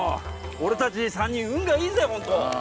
俺たち３人運がいいぜ本当。